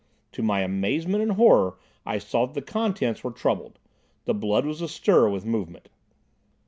To my amazement and horror I saw that the contents were troubled. The blood was astir with movement.